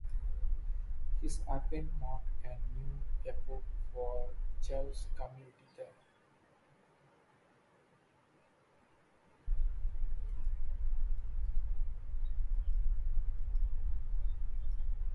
His advent marked a new epoch for the Jewish community there.